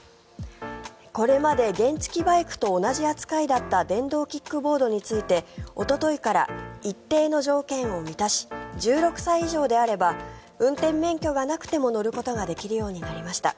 これまで原付きバイクと同じ扱いだった電動キックボードについておとといから一定の条件を満たし１６歳以上であれば運転免許がなくても乗ることができるようになりました。